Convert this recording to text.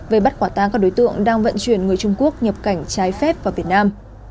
về bắt quả tang các đối tượng đang vận chuyển người trung quốc nhập cảnh trái phép vào việt nam